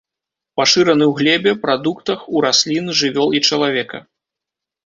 Пашыраны ў глебе, прадуктах, у раслін, жывёл і чалавека.